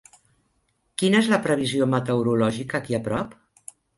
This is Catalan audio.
Quina és la previsió meteorològica aquí a prop?